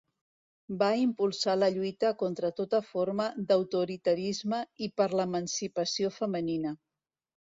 Va impulsar la lluita contra tota forma d'autoritarisme i per l'emancipació femenina.